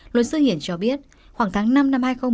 luật sư hiển cho biết khoảng tháng năm năm hai nghìn một mươi ba